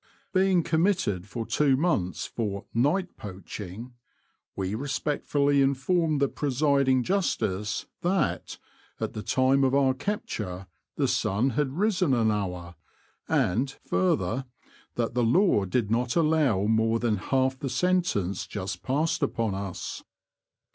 146 The Confessions of a Poacher. Being committed for two months for '' night poaching," we respectfully informed the pre siding Justice that, at the time of our capture, the sun had risen an hour ; and further, that the law did not allow more than half the sen tence just passed upon us.